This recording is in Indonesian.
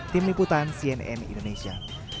tim liputan cnn indonesia